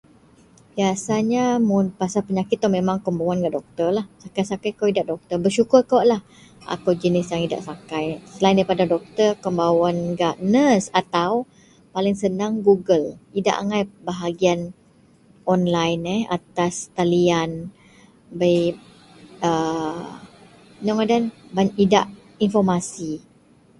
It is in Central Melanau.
biasanya mun pasal penyakit itou akou membawen gak doktorlah, sakai-sakai kou idak doktor, bersyukur kawaklah akou jenis yang idak sakai, selain daripada doktor akou membawen gak nurse atau paling senang geogle, idak agai bahagian online eh atas talian bei a inou ngadan, idak infomasi